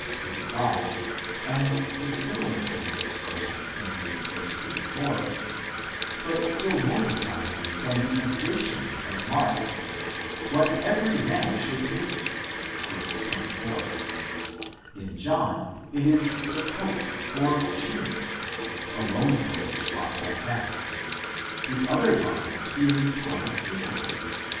35), and the similar turn of expression in Luke (v. 34), but still more decidedly from the addition of Mark : τίς τί ἄρη, what every man should take (vy. 24): in John it is the coat or tunic, χιτὼν, alone for which lots are cast, the other garments being parted equally (v.